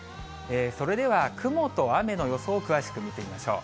それでは雲と雨の予想を詳しく見てみましょう。